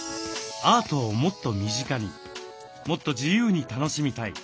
アートをもっと身近にもっと自由に楽しみたい。